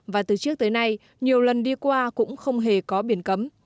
và từ trước tới nay nhiều lần đi qua cũng không hề có biển cấm